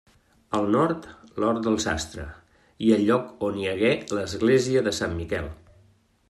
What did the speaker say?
Al nord, l'Hort del Sastre i el lloc on hi hagué l'església de Sant Miquel.